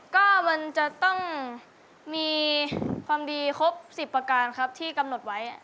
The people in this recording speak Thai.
ก็มันจะต้องมีความดีครบ๑๐ประการครับที่กำหนดไว้